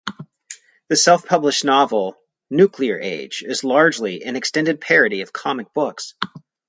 The self-published novel "Nuklear Age" is largely an extended parody of comic books.